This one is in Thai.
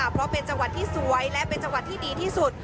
เพราะเป็นจังหวัดที่สวยและเป็นจังหวัดที่ดีที่สุด